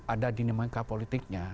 ada dinamika politiknya